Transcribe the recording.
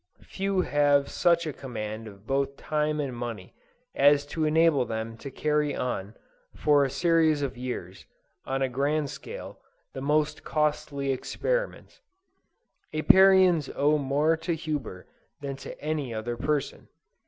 Few have such a command of both time and money as to enable them to carry on, for a series of years, on a grand scale, the most costly experiments. Apiarians owe more to Huber than to any other person.